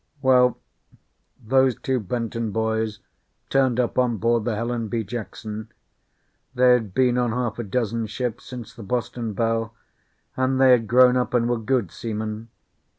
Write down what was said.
Well, those two Benton boys turned up on board the Helen B. Jackson. They had been on half a dozen ships since the Boston Belle, and they had grown up and were good seamen.